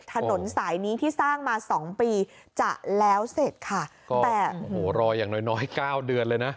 ถนนสายนี้ที่สร้างมาสองปีจะแล้วเสร็จค่ะแต่โอ้โหรออย่างน้อยน้อยเก้าเดือนเลยนะ